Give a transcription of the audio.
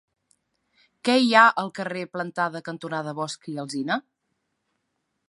Què hi ha al carrer Plantada cantonada Bosch i Alsina?